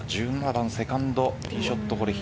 １７番セカンドティーショット。